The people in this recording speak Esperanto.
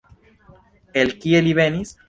El kie li venis?